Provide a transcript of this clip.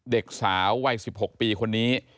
เด็กสาววัย๑๖ปีคนนี้